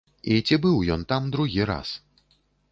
І ці быў ён там другі раз?